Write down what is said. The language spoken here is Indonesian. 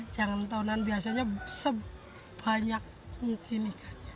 jangan tahunan biasanya sebanyak mungkin ikannya